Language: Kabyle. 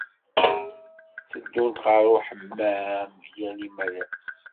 Tteddunt ɣer uḥemmam yal imalas.